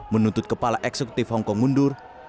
menuntut kepala eksekutif hong kong mundur